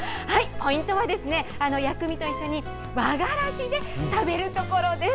ポイントは薬味と一緒に和がらしで食べるところです。